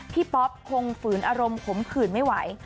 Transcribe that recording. ป๊อปคงฝืนอารมณ์ขมขื่นไม่ไหว